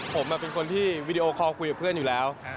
ผมเป็นคนที่วีดีโอคอลคุยกับเพื่อนอยู่แล้ว